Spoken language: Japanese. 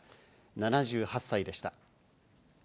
７８歳でした。